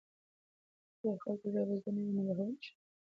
که د خلکو ژبه زده نه وي نو باور نشته.